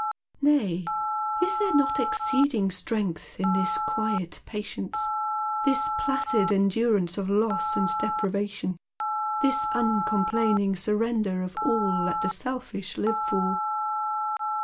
Nay, is there not exceeding strength in this quiet patience, this placid endurance of loss and depriva tion, this uncomplaining surrender of all that the selfish live for